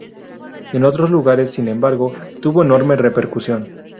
En otros lugares, sin embargo, tuvo enorme repercusión.